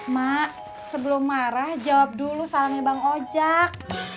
mak sebelum marah jawab dulu salamnya bang ojek